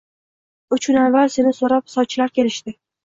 Uch kun avval seni so`rab, sovchilar kelishdi